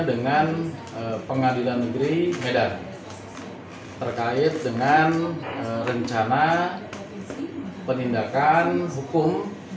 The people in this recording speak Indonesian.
di jalan negeri medan terkait dengan rencana penindakan hukum